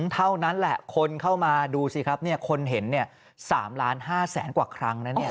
เท่านั้นแหละคนเข้ามาดูสิครับคนเห็น๓๕๐๐๐กว่าครั้งนะเนี่ย